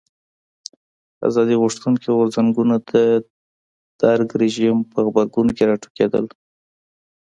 ازادي غوښتونکي غورځنګونه د درګ رژیم په غبرګون کې راوټوکېدل.